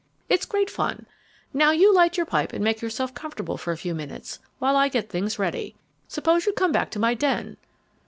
It's great fun. Now you light your pipe and make yourself comfortable for a few minutes while I get things ready. Suppose you come back to my den."